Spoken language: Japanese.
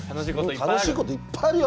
楽しいこといっぱいあるよ。